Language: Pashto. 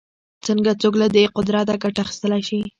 څنګه څوک له دې قدرته ګټه واخیستلای شي